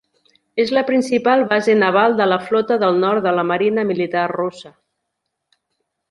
És la principal base naval de la Flota del Nord de la marina militar russa.